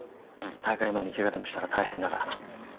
大会前にケガでもしたら大変だからな。